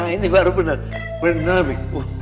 ini baru bener bener mi